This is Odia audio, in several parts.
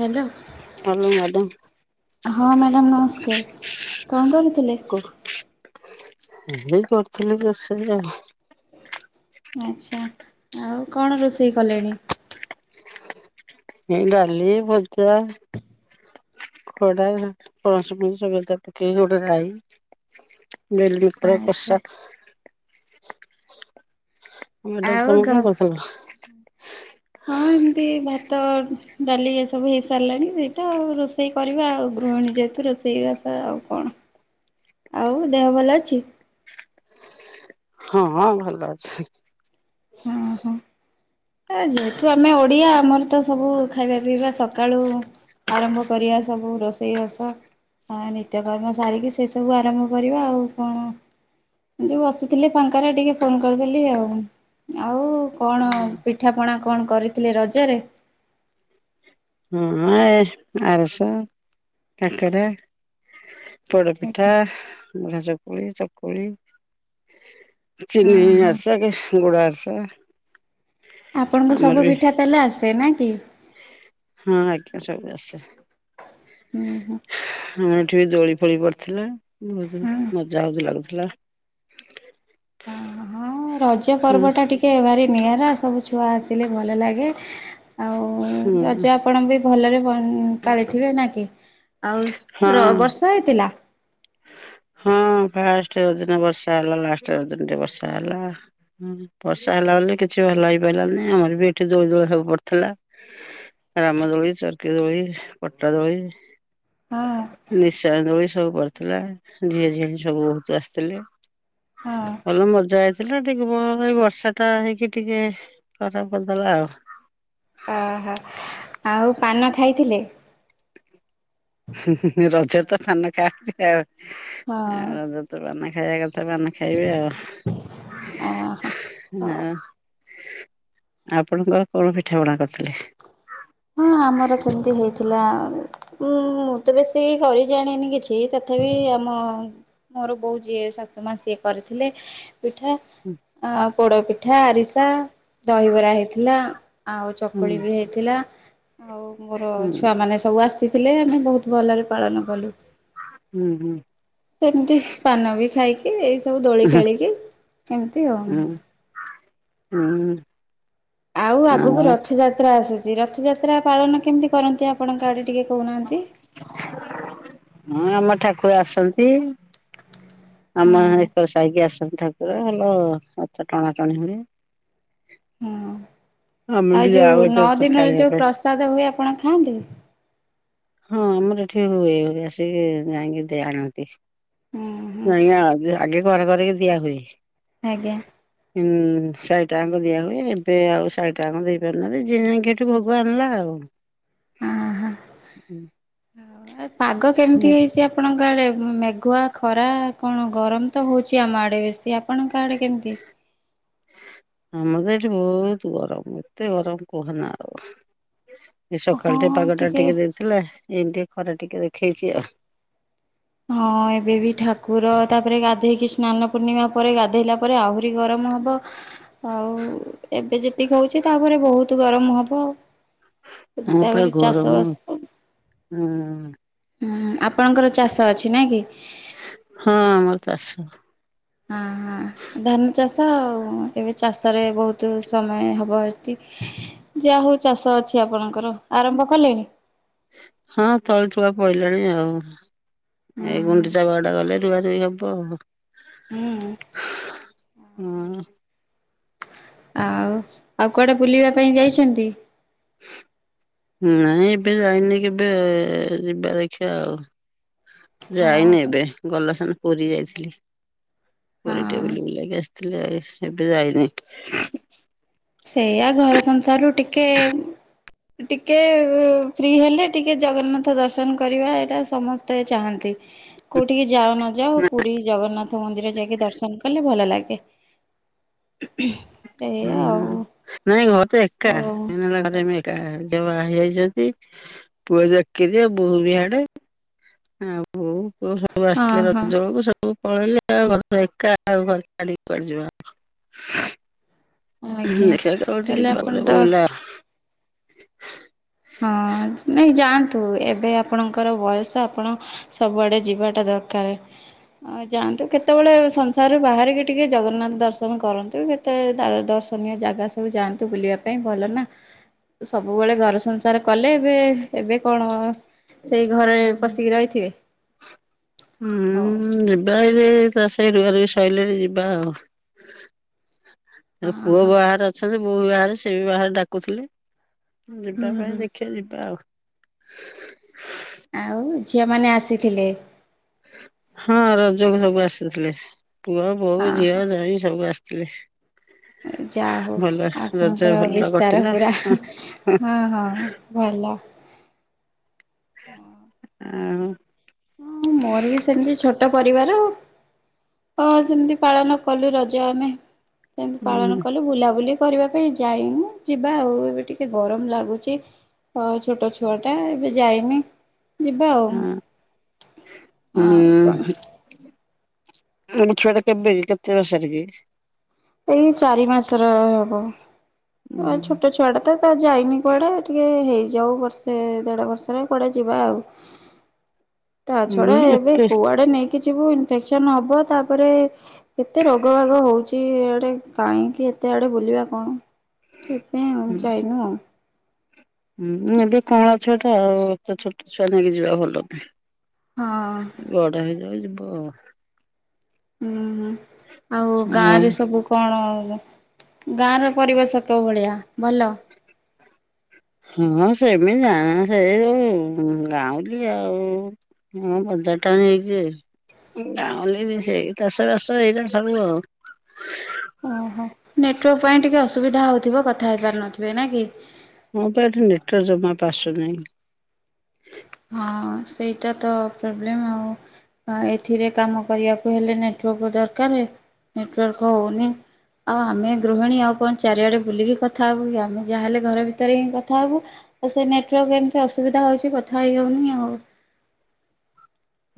ହାଲୋ। ହ୍ୟାଲୋ ମ୍ୟାଡ଼ାମ ହଁ ମ୍ୟାଡ଼ାମ ନମସ୍କାର କଣ କରୁଥିଲେ? ଏଇ କରିଥିଲି ଯେ ସେ ଆଉ ଆଚ୍ଛା ଆଉ କଣ ରୋଷେଇ କଲେଣି? ଏଇ ଗଡାଲିଲି ପଚା ଖଡା ପଣସ ଫଣି ସବୁ ପକେଇକି ଗୋଟେ ରାଇ ବେଲୁର କା ଆଚ୍ଛା ମ୍ୟାଡାମ ତମେ କଣ କରୁଥିଲ? ହୁଁ। ହଁ ଏମିତି ଭାତ ଡାଲି ଏସବୁ ହେଇସାରିଲାଣି ସେଇ ତ ରୋଷେଇ କରିବା ଆଉ ଗୃହିଣୀ ଯେହେତୁ ରୋଷେଇବାସ ଆଉ କଣ ଆଉ ଦେହ ଭଲ ଅଛି ହଁ ହଁ ଭଲ ଅଛି ହଁ ହଁ। ଯେହେତୁ ଆମେ ଓଡ଼ିଆ ଆମର ତ ସବୁ ଖାଇବା ପିଇବା ସକାଳୁ ଆରମ୍ଭ କରିବା ସବୁ ରୋଷେଇ ରସ ହଁ ନିତ୍ୟକର୍ମ ସାରିକି ସେ ସବୁ ଆରମ୍ଭ କରିବା ଆଉ କଣ ଯେଉ ବସିଥିଲି ଫାଙ୍କାରେ ଟିକେ ଫୋନ୍ କରିଦେଲି ଆଉ ଆଉ [inaudible] କଣ ପିଠାପଣା କଣ କରିଥିଲେ ରଜରେ? ହଁ ଆରିସ କାକରା! ପୋଡ ପିଠା ବୁଢା ଚକୁଳି, ଚକୁଳି! ହଁ ଚିନି ହଁ ଆାରିସା କି ଗୁଡ ଆରିସା! ଆପଣଙ୍କୁ ଆମର ସବୁ ବି ପିଠା ତାହେଲେ ଆସେ ନା କି? ହଁ ଆଜ୍ଞା ସବୁ ଆସେ। ହୁଁ ହୁଁ। ଆମ ଏଠି ବି ଦୋଳି ଫୋଳି ପଡିଥିଲା ବହୁତ ହଁ। ମଜା ଆଉ ବି ଲାଗୁଥିଲା। ହଁ ରଜ ହଁ ପର୍ବ ଟା ଟିକେ ଭାରି ନିଆରା ସବୁ ଛୁଆ ଆସି ଭଲ ଲ ହଁ ଆଉଜ [inaudible] ଆପଣ ବି ଭଲରେ ପାଳିଥିବେ ନା କି ଆଉ ହଁ ବର୍ଷା ହେଇଥିଲା? ହଁ ଫାଷ୍ଟ ରଜ ଦିନ ବର୍ଷା ହେଲା ଲାଷ୍ଟ ରଜରେ ଟିକେ ବର୍ଷା ହେଲା। ହୁଁ ବର୍ଷା ହେଲା ବୋଲି କିଛି ଭଲ ହେଇପାରିଲାନି ଆମର ବି ଏଠି ଦୋଳି ଦୋଳା ସବୁ ପଡ଼ିଥିଲା। ରାମଦୋଳି, ଚରକିଦୋଳି, ପଟାଦୋଳି ହଁ! ନିଶା ଆନ୍ଦୁଳି ସବୁ ପଥିଲା ଝିଅଝିଅ ହି ସବୁ ବହୁତ ଆସିଥିଲେ ହଁ [inaudible] ଭଲ ମଜା ହେଇଥିଲା ଟିକେ ଏଇ ବର୍ଷା ଟା ହେଇକି ଟିକେ ଖରାପ କରିଦେଲା ଆଉ! ଓହୋ ଆଉ ପାନ ଖାଇଥିଲେ? ରଜ ତ ପାନ ଖାଆନ୍ତି ଆଉ ହଁ ରଜ ପାନ ଖାଇବା କଥା! ସେବ ଖାଇବେ ଆଉ ଓହୋ। ଆଉ [inaudible] ଆପଣଙ୍କର କଣ ପିଠା ପଣା କରିଥିଲେ? ହଁ ଆମର ସେମିତି ହେଇଥିଲା! ହୁଁ ମୁଁ ତ ବେଶୀ କରି ଜାଣିନି କିଛି ତଥାପି ଆମ ମୋର ବୋଉ ଯିଏ ଶାଶୁ ମା ସିଏ କରିଥିଲେ! ପିଠା, ହୁଁ ଆଉ ପୋଡ ପିଠା ଆରିସା ଦହିବରା ହେଇଥିଲା! ଆଉ ଚକୁଳି ହୁଁ ବି ହେଇଥିଲା ଆଉ ମୋର ହୁଁ ଛୁଆମାନେ ସବୁ ଆସିଥିଲେ ଆମେ ବହୁତ ଭଲରେ ପାଳନ କଲୁ ହୁଁ ସେମିତି ପାନ ବି ଖାଇକି ଏଇ ସବୁ ଦୋଳି ହୁଁ ଖେଳିକି ଏମିତି ଉ! ହୁଁ। ହୁଁ। ଆଉ ଆଗକୁ ରଜ ରଥଯାତ୍ରା ଆସୁଛି ରଥଯାତ୍ରା ପାଳନ କେମିତି କରନ୍ତି ଆପଣଙ୍କ ଆଡ଼େ ଟିକେ କହୁନାହାନ୍ତି? ହଁ ଆମ ଠାକୁର ଆସନ୍ତି! [unintelligible] ଆମ ଏଇ ସାାଇକି ଆସନ୍ତି ଠାକୁର ଭଲ ରଥ ଟଣାଟଣି ହୁଏ। ହଁ ଆମେ ବି ଆଉ ଯାଉ ଯେଉଁ ଏଠି ନଅ ରଥ ଦିନରେ ଟାଣିବା ଯେଉଁ ପାଇଁ। ପ୍ରସାଦ ହୁଏ ଆପଣ ଖାଆନ୍ତି? ହଁ ଆମର ଏଠି ହୁଏ ସିଏ ଆସିକି ଯାଇକି ଆଣନ୍ତି। ହୁଁ ହୁଁ ଆଜ୍ଞା ଆଗେ ଘରେ ଘରେ ବି ଦିଆ ହୁଏ। ଆଜ୍ଞା। ହୁଁ ଶହେ ଟଙ୍କା କୁଦିଆ ହୁଏ ଏବେ ଆଉ ଶହେ ଟାଣ ଦେଇ ପାରୁନାହାନ୍ତି ଯେଠି ଭଗବ ଆଣିଲା ଆଉ [inaudible] ଅହ ଆଉ ପାଗ ହୁଁ କେମିତି ହେଇଛି? ଆପଣଙ୍କ ଆଡ଼େ ମେଘୁଆ ଖରା କଣ ଗରମ ତ ହେଉଛି ଆମ ଆଡ଼େ ବେଶୀ ଆପଣଙ୍କ ଆଡ଼େ କେମିତି? [unintelligible] ଆମର ଏଠି ବହୁତ ଗରମ ଏତେ ଗରମ କୁହନା ଆଉ। ଏ ସକାଳ ଟେ ପାଗ ଟା ଟିକେ ଦେଇଥିଲା ଏବେ ଖରା ଟିକେ ଦେଖେଇଛି ଆଉ। ହଁ ଏବେ ବି ଠାକୁର ତାପରେ ଗାଧୋଇକି ସ୍ନାନ ପୂର୍ଣ୍ଣିମା ପରେ ଗାଧୋଇଲା ପରେ ଆହୁରି ଗରମ ହବ। ଆଉ ଏବେ ଯେତିକି ହଉଛି ତାପରେ ବହୁତ ଗରମ ହବ ଆଉ। ହଁ ପା ଗରମ ହଁ ହୁଁ ଆପଣଙ୍କର ଚାଷ ଅଛି ନାଇଁ କି ହଁ ଆମର ଚାଷ ହଁ ହଁ ଧାନ ଚାଷ ଆଉ ଏବେ ଚାଷରେ ବହୁତ ସମୟ ହବ ଏଠି ଯାହା ହଉ ଚାଷ ଅଛି ଆପଣଙ୍କର ଆରମ୍ଭ କଲେଣି ହଁ ତଳି ତୁଳା ପଡ଼ିଲାଣି ଆଉ ଏ ହୁଁ ଗୁଣ୍ଡିଚାବଡ଼ା ଗଲେ ରୁଆ ରୁଇ ହେବ ଆଉ। ହୁଁ ଆଉ ଆଉ କୁଆଡେ ବୁଲିବା ପାଇଁ ଯାଇଛନ୍ତି। ନାଇଁ ଏବେ ଯାଇନି କେବେ ଯିବା ଦେଖିବା ଆଉ। ହ [inaudible] ଯାଇନି ଏବେ ଗଲା ସାନ ପୁରୀ ଯାଇଥିଲି। ପୁରୀ ଟିକେ ହଁ ବୁଲିବୁଲାକି ଆସିଥିଲି ଏବେ ଯାଇନି। ସେଇଆା ଘର ସଂସାରରୁ ଟିକେ। ଟିକେ ଫ୍ରି ହେଲେ ଟିକେ ଜଗନ୍ନାଥ ଦର୍ଶନ କରିବା ଏଇଟା ସମସ୍ତେ ଚାହାନ୍ତି କୋଉଠିକି ଯାଅ ନ ଯାଅ ପୁରୀ। ଜଗନ୍ନାଥ ମନ୍ଦିର ଯାଇକି ଦର୍ଶନ କଲେ ଭଲ ଲାଗେ ଏଇଆ ଆଉ। ହଁ ନାଇଁ ଘରେ ତ ଏକା ଓ ଘରେ ମି ଏକା। ଝିଅ ବାହାହେଇ ଯାଇଛନ୍ତି ପୁଅ ଚାକିରିରେ ବୋହୁ ବି ହାଡେ। ଆଉ ବୋହୁ ପୁଅ ସବୁ। ସବୁ ହଁ ଆସିଥିଲେ ହଁ। ରଜ ବେଳକୁ ସବୁ ପଳେଇଲେ ଆଉ ଘରେ ତ ଏକା ଆଉ ଘର ଛାଡିକି କୁଆଡେ ଯିବା। ଦେଖିବା ଆଜ୍ଞା କେତେବେଳେ ଟିକେ ତାହେଲେ ଯିବା ଆପଣ କୁଆଡ଼େ ତ ବୁଇଲା। ହଁ ନାଇଁ ଯାଆନ୍ତୁ ଏବେ ଆପଣଙ୍କ ର ବୟସ ଆପଣ। ସବୁଆଡେ ଯିବାଟା ଦରକାର ‌। ଆଉ ଯାଆନ୍ତୁ କେତେବେଳେ ସଂସାରରୁ ବାହାରିକି ଟିକେ ଜଗନ୍ନାଥ ଦର୍ଶନ କରନ୍ତୁ। କେତେଳେ ତାର ଦର୍ଶନୀୟ ଜାଗା ସବୁ ଯାଆନ୍ତୁ ବୁଲିବା ପାଇଁ ଭଲ ନା ସବୁବେଳେ ଘର ସଂସା ର କଲେ ଏବେ ଏବେ କଣ ସେଇ ଘରେ ପଶିକି ରହିଥିବେ। ହୁଁ ହଉ ଯିବା ଏଇଲେ ଏଇ ଚାଷ ଏଇ ରୁଆ ରୁଆ ସରିଲେ ଯିବା ଆଉ ‌। ଅ ପୁଅ ହଁ ବାହାରେ ଅଛନ୍ତି ବୋହୁ ବି ବାହାରେ ସେ ବି ବାହାରେ ଡାକୁଥିଲେ ହୁଁ ଯିବା ପାଇଁ ହୁଁ। ଦେଖେ ଖିବା ଜିବା ଆଉ। ଆଉ ଝିଅମାନେ ଆସିଥିଲେ। ହଁ ରଜକୁ ସବୁ ଆସିଥିଲେ ପୁଅ ହଁ ବୋହୁ ଝିଅ ହଁ। ଜ୍ବାଇଁ ସବୁ ଆସିଥିଲେ। ଯା ହଉ ଭଲ ରଜ ଆପଣଙ୍କର ଭଲ ବିସ୍ତାର କଟିଲା। ପୁରା। ହଁ ହଁ ଭଲ। ଆଉ। ହୁଁ ମୋର ବି ସେମିତି ଛୋଟ ପରିବାର। ତ ସେମିତି ପାଳନ କଲୁ ରଜ ଆମେ ସେମିତି ପାଳନ ହୁଁ କଲୁ ବୁଲାବୁଲି। କରିବା ପାଇଁ ଯାଇନୁ ଯିବା ଆଉ ଏବେ ଟିକେ ଗରମ ଲାଗୁଛି। ତ ଛୋଟ ଛୁଆ ଟା ଏବେ ଯାଇନି ଯିବା ଆଉ। ହଁ ଆଉ କଣ ହୁଁ। ମୁଁ କଇଲି ଛୁଆଟା କେବେ କି କେତେ ବର୍ଷର କି? ଏଇ ଚାରି ମାସର ହବ ଆଉ ଛୋଟ ଛୁଆଟା। ତ ଯାଇନି କୁଆଡେ ଟିକେ ହେଇଯାଉ ବର୍ଷେ ଦେଢ ବର୍ଷର କୁଆଡେ ଯିବା ଆଉ। ତା ହୁଁ ଛଡା ଏବେ ଏତେ କୁଆଡେ ନେଇକି ଯିବୁ ଇନଫେକ୍ସନ ହବ ତାପରେ। କେତେ ରୋଗବାଗ ହଉଛି ଇଆଡେ କାହିଁକି ଏତେ ଆଡେ ବୁଲିବା କଣ। ସେଇଥି ପାଇଁ ଆଉ ଯାଇନୁ ଆଉ। ହୁଁ ଏବେ କଅଁଳା ଛୁଆଟା ଆଉ ଏତେ ଛୋଟ ଛୁଆ ନେଇକି ଯିବା ଭଲନୁହେଁ। ହଁ। ବଡ ହେଇଯାଉ ଯିବ ଆଉ। ହୁଁ ଆଉ ଗାଁ ରେ ସବୁ କଣ ଗାଁ ର ପରିବେଶ। କୋଉ ଭଳିଆ ଭଲ। ହଁ ସେମିତି ଜା ସେ ଯୋଉ ଗାଉଁଲି ଆଉ। କି ହଁ ବଜାର ଟାଉନ ହେଇଛି ଯେ ଗାଁଉଳି ସେଇ ଚାଷ ବାସ ହେଇରା ସବୁ ଆଉ। ଓହୋ ନେଟୱାର୍କ ପାଇଁ ଟିକେ ଅସୁବିଧା ହଉଥିବ କଥା ହେଇପାରୁ ନଥିବେ ନା କି। ହଁ ବା ଏଠି ନେଟୱର୍କ ଜମା ପା ଆସୁନାହିଁ। ହଁ ସେଇଟା ତ ପ୍ରୋବ୍ଲେମ୍ ଆଉ। ହଁ ଏଥିରେ କାମ କରିବାକୁ ହେଲେ ନେଟୱାର୍କ ଦରକାର ନେଟୱାର୍କ ହଉନି। ଆଉ ଆମେ ଗୃହିଣୀ ଆଉ କଣ ଚାରିଆଡେ ବୁଲିକି କଥା ହବୁ କି ଆମେ ଯାହାହେଲେ ଘର ଭିତରେ ହିଁ କଥା ହବୁ। ଆଉ ସେ ନେଟୱାର୍କ ଏମିତି ଅସୁବିଧା ହଉଛି କଥା ହେଇ ହଉନି ଆଉ।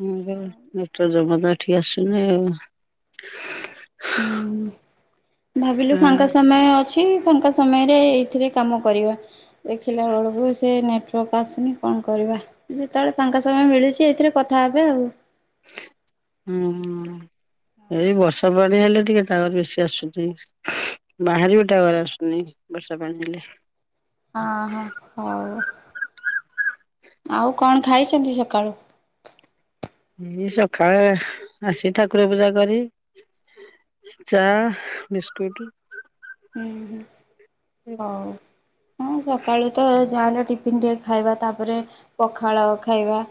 ହୁଁ ବା ନେଟୱର୍କ ଜମା ତ ଏଠିକି ଆସୁନି ଆଉ। ହୁଁ ଭାବିଲୁ ଫାଙ୍କା ସମୟ ଅଛି ଫାଙ୍କା ସମୟରେ ଏଇଥିରେ କାମ କରିବା ଦେଖିଲା ବେଳକୁ ସେ ନେଟୱର୍କ ଆସୁନି କଣ କରିବା। ଯେତେ ବେଳେ ଫାଙ୍କା ସମୟ ମିଳୁଛି ଏଇଥିରେ କଥା ହେବେ ଆଉ। ହୁଁ। ଏଇ ବର୍ଷା ପାଣି ହେଲେ ଟିକେ ଟାୱାର ବେଶି ଆସୁନି। ବାହାରେ ବି ଟାୱାର ଆସୁନି ବର୍ଷା ପାଣି ଥିଲେ, ହଁ ହ ହଉ ଆଉ କଣ ଖାଇଛନ୍ତି ସକାଳୁ? ଏଇ ସକାଳେ ଆସି ଠାକୁର ପୂଜା କରି, ଚା ବିସ୍କୁଟ, ହୁଁ ହୁଁ ହଉ ହଁ ସକାଳୁ ତ ଯାହା ହେଲେ ଟି ଫୁଣି ଟିକେ ଖାଇବା ତାପରେ ପଖାଳ ଖାଇବା।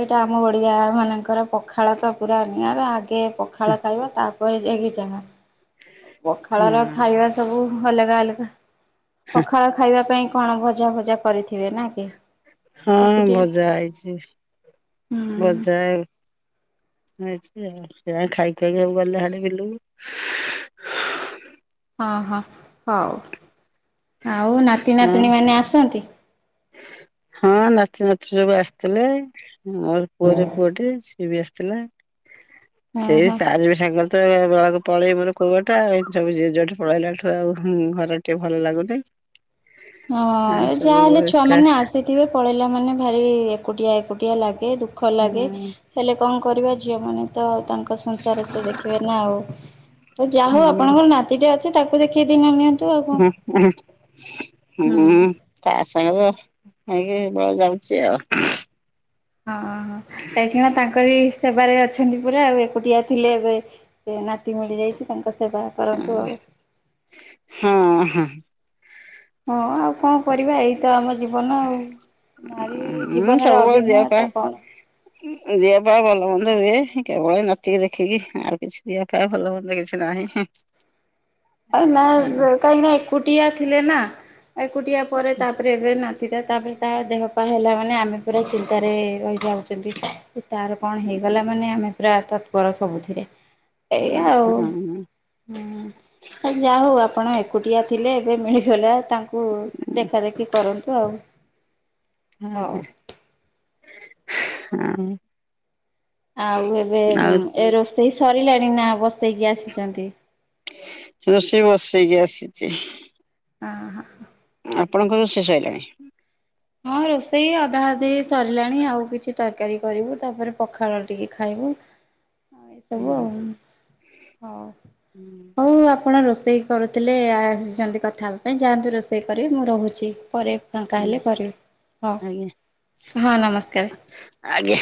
ଏଇଟା ଆମ ଓଡ଼ିଆ ମାନଙ୍କର ପଖାଳ ତ ପୁରା ନିଆରା ଆଉ। ଟେ ପଖାଳ ଖାଇବା ତାପରେ ଯାଇକି ଯାହା। ପଖାଳ ର ଖାଇବା ହଁ। ସବୁ ଅଲଗା ଅଲଗା ପଖାଳ ଖାଇବା ପାଇଁ, କଣ ଭଜା ଭଜା କରିଥିବେ ନା କି? ହଁ ଏକୁଟିଆ ଭଜା ହେଇଛି ହୁଁ। ଭଜା ଛି ଆଉ ସେ ଖାଇଖୁଆକି ସବୁ ଗଲେ ହାରି ବିଲକୁ, ହଁ ହଁ ହଉ ଆଉ ନାତି ହଁ ନାତୁଣୀ ମାନେ ଆସନ୍ତି? ହଁ ନାତିନାତି ସବୁ ଆସିଥିଲେ, ମୋର ପୁଅର ପୁଅଟେ ଏ ବି ଆସିଥିଲା ହଁ ସେଇ ହଁ ତାରି ବି ସାଙ୍ଗରେ ତ ବେଳକୁ ପଳେଇ ମୋର କଉଟା ସବୁ ଯିଏ ଯୁଆଡେ ପଳେଇଲା ଠୁ ଆଉ ଘର ଟିକେ ଭଲ ଲାଗୁନି। ସେ ହଁ ଯାହାହେଲେ ଏକା ଛୁଆମାନେ ଆସିଥିବେ ପଳେଇଲା ମାନେ ଭାରି ଏକୁଟିଆ ଏକୁଟିଆ ଲାଗେ ଦୁଃଖ ଲାଗେ ହେଲେ କଣ କରିବା ଝିଅମାନେ ତ ତା ଙ୍କ ସଂସାର ସେ ଦେଖିବେ ନା ଆଉ ଯାହା ହଉ ଆପଣଙ୍କର ନାତିଟେ ଅଛି ତାକୁ ଦେଖେଇ ଦିନ ନିଅନ୍ତୁ ଆଉ କଣ। ହଁ ହ ହୁଁ। ତା ସାଙ୍ଗରେ ହେଇକି ବେଳେ ଯାଉଛି ଆଉ। ହଁଁ କାହିଁକିନା ତାଙ୍କରି ସେବାରେ ଅଛନ୍ତି ପୁରା ଆଉ ଏକୁଟିଆ ଥିଲେ ଏବେ ନାତି ମିଳିଯାଇଛି ତାଙ୍କ ସେବା କରନ୍ତୁ ଆଉ। ହଁ ହଁ। ହଁ ଆଉ କଣ? କରିବା ଏଇ ତ ଆମ ଜୀବନ ଆଉ ନାରୀ ହଁ ଜୀବନର ସବୁବେଳେ ଦେହ ପା ଅଭିଜ୍ଞତା କଣ? ଦେହ ପା ଭଲ ମନ୍ଦ ହୁଏ, କେବଳ ନାତିକି ଦେଖିକି ଆଉ କିଛି ଦିଅ କା ଭଲମନ୍ଦ କିଛି ନାହିଁ, ନା କାହିଁକ ନା ଏକୁଟିଆ ଥିଲେ ନା, ଏକୁଟିଆ ପରେ ତାପରେ ଏବେ ନାତିଟା ତାପା ତା ଦେହ ପା ହେଲା ମାନେ ଆମେ ପୁରା ଚିନ୍ତାରେ ରହିଯାଉଛନ୍ତି। ଏ ତାର କଣ ହେଇଗଲା ମାନେ ଆମେ ପୁରା ତତ୍ପର ସବୁଥିରେ ଏଇ ଆଉ, ହୁଁ। ଯା ହଉ ଆପଣ ଏକୁଟିଆ ଥିଲେ ଏବେ ମିଳିଗଲା ତାଙ୍କୁ ଦେଖା ଦେଖି କରନ୍ତୁ ଆଉ। ହ ହ ହଁ। ଆଉ ଏବେ ଏ ରୋଷେଇ ସରିଲାଣି ନା ବସେଇକି ଆସିଛନ୍ତି? ରୋଷେଇ ବସେଇକି ଆସିଛି। ହଁ ହଁ। ଆପଣଙ୍କର ରୋଷେଇ ସରିଲାଣି? ହଁ ରୋଷେଇ ଅଧା ଅଧି ସରିଲାଣି, ଆଉ କିଛି ତରକାରୀ କରିବୁ ତାପରେ ପଖାଳ ଟିକେ ଖାଇବୁ। ହ ଏସବୁ ଆଉ ହଉ ହଉ ଆପଣ ରୋଷେଇ କରୁଥିଲେ ଆସିଛନ୍ତି କଥା ହେବା ପାଇଁ ଯାଆନ୍ତୁ ରୋଷେଇ କରିବି ମୁଁ ରହୁଛି ପରେ ଫାଙ୍କା ହେଲେ ଆଜ୍ଞା କରିବି। ହଉ ଆଜ୍ଞା ହଁ ନମସ୍କାର। ଆଞା।